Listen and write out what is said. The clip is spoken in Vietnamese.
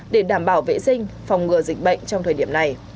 để đảm bảo vệ sinh phòng ngừa dịch bệnh trong thời điểm này